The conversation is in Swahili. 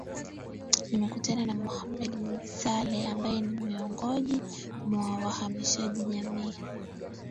Nimekutana na Mohamed Mzale ambaye ni miongoji mwa wahamasishaji jamii